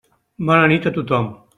Bona nit a tothom.